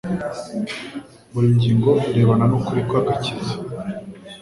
Buri ngingo irebana n’ukuri kw’agakiza